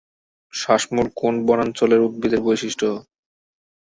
শ্বাসমূল কোন বনাঞ্চলের উদ্ভিদের বৈশিষ্ট্য?